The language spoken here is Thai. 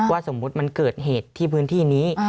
สมมุติมันเกิดเหตุที่พื้นที่นี้